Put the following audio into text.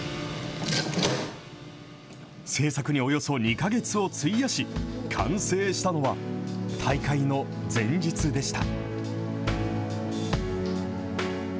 製作におよそ２か月を費やし、完成したのは、大会の前日でした。